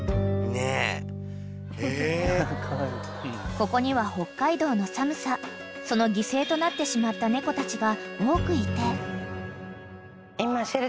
［ここには北海道の寒さその犠牲となってしまった猫たちが多くいて］